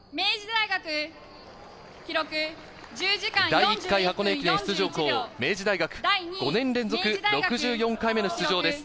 第１回箱根駅伝出場校の明治大学、５年連続６４回目の出場です。